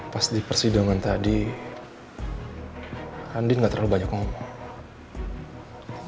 pas di persidangan tadi andien gak terlalu banyak ngomong